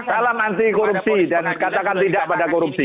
salam anti korupsi dan katakan tidak pada korupsi